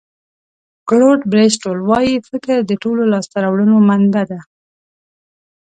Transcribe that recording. کلوډ بریسټول وایي فکر د ټولو لاسته راوړنو منبع ده.